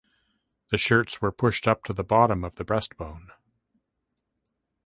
The shirts were pushed up to the bottom of the breastbone.